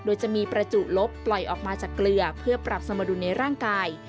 โดยจะมีประจุลบปล่อยออกมาจากเกลือเพื่อปรับสมดุลในร่างกาย